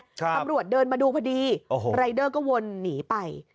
ตำรวจเดินมาดูพอดีโอ้โหรายเดอร์ก็วนหนีไป